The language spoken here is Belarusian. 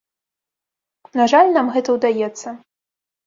На жаль, нам гэта ўдаецца.